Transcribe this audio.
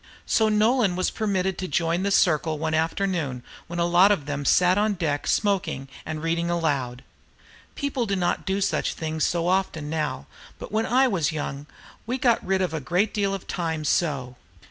So Nolan was permitted to join the circle one afternoon when a lot of them sat on deck smoking and reading aloud. People do not do such things so often now; but when I was young we got rid of a great deal of time so.